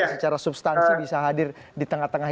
secara substansi bisa hadir di tengah tengah